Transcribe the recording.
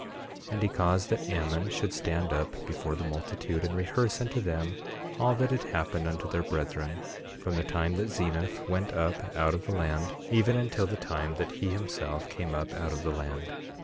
8:2 And he caused that Ammon should stand up before the multitude, and rehearse unto them all that had happened unto their brethren from the time that Zeniff went up out of the land even until the time that he himself came up out of the land.